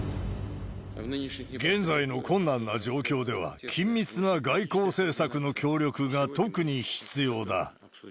現在の困難な状況では、緊密な外交政策の協力が特に必要だ。